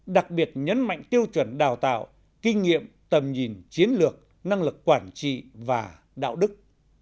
đặc biệt nhấn mạnh tiêu chuẩn đào tạo kinh nghiệm tầm nhìn chiến lược năng lực quản trị và đạo đức